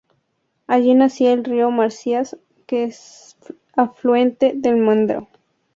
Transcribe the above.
Allí nacía el río Marsias, que es afluente del Meandro.